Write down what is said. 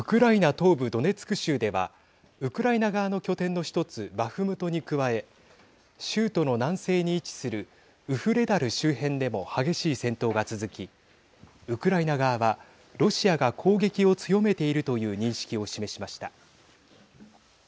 東部ドネツク州ではウクライナ側の拠点の１つバフムトに加え州都の南西に位置するウフレダル周辺でも激しい戦闘が続きウクライナ側はロシアが攻撃を強めているという認識を示しました。